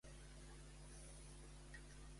A Flix saps si hi farà sol demà?